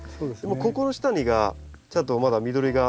ここの下がちゃんとまだ緑が。